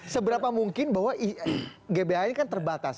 seberapa mungkin bahwa gbi ini kan terbatas